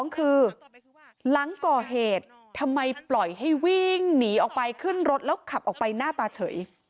คือหลังก่อเหตุทำไมปล่อยให้วิ่งหนีออกไปขึ้นรถแล้วขับออกไปหน้าตาเฉย